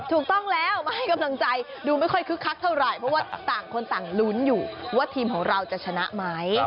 ถูกต้องแล้วมาให้กำลังใจดูไม่ค่อยคึกคักเท่าไหร่เพราะว่าต่างคนต่างลุ้นอยู่ว่าทีมของเราจะชนะไหม